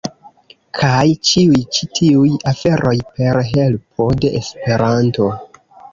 Kaj ĉiuj ĉi tiuj aferoj per helpo de Esperanto.